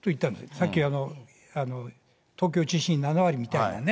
さっき東京中心７割みたいなね。